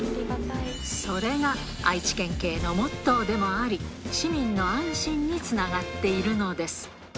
それが愛知県警のモットーでもあり、市民の安心につながっているのです。